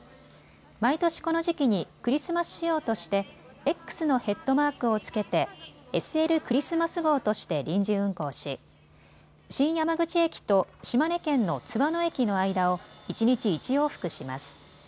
毎年この時期にクリスマス仕様としてＸのヘッドマークをつけてＳＬクリスマス号として臨時運行し新山口駅と島根県の津和野駅の間を一日１往復します。